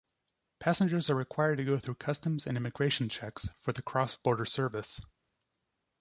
Passengers are required to go through customs and immigration checks for the cross-border service.